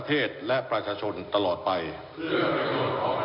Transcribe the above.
ก็ได้มีการอภิปรายในภาคของท่านประธานที่กรกครับ